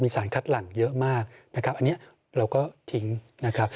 สารคัดหลังเยอะมากนะครับอันนี้เราก็ทิ้งนะครับ